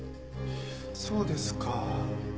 そうですか。